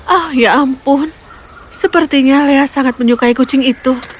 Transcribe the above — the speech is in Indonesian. oh ya ampun sepertinya leah sangat menyukai kucing itu